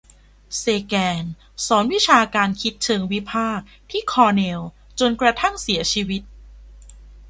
เซแกนสอนวิชาการคิดเชิงวิพากษ์ที่คอร์เนลจนกระทั่งเสียชีวิต